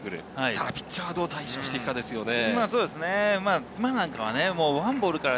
さぁピッチャーはどう対処していくかですね。